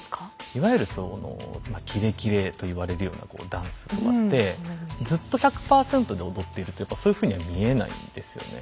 いわゆるそのまあキレキレと言われるようなダンスとかってずっと１００％で踊っているとやっぱそういうふうには見えないんですよね。